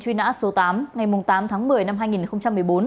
truy nã số tám ngày tám tháng một mươi năm hai nghìn một mươi bốn